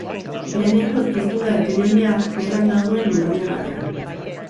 Lehengoz piztu da epidemia gerran dagoen lurralde batean.